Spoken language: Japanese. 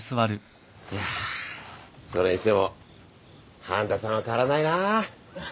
いやそれにしても半田さんは変わらないなぁ。